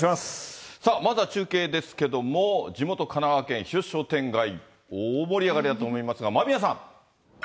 さあ、まずは中継ですけども、地元神奈川県日吉商店街、大盛り上がりだと思いますが、間宮さん。